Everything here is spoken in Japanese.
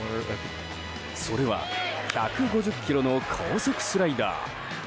それは１５０キロの高速スライダー。